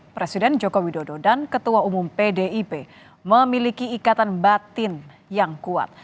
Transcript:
presiden joko widodo dan ketua umum pdip memiliki ikatan batin yang kuat